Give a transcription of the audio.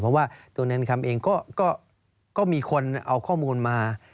เพราะว่าตัวแนนคำเองก็มีคนเอาข้อมูลมา